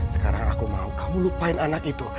sekarang aku mau kamu lupain anak itu